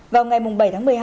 vào ngày bảy tháng một mươi hai